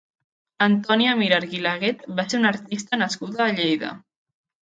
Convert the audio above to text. Antònia Mir Arguilaguet va ser una artista nascuda a Lleida.